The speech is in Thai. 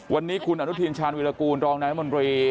วันนี้อณุฑินชาญโวีรากูลรองไหนรัฐมนตรี